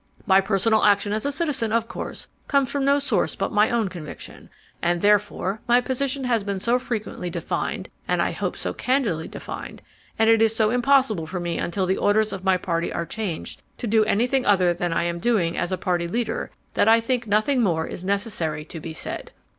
"My personal action as a citizen, of course, comes from no source but my own conviction. and, therefore, my position has been so frequently defined, and I hope so candidly defined, and it is so impossible for me until the orders of my party are changed, to do anything other than I am doing as a party leader, that I think nothing more is necessary to be said.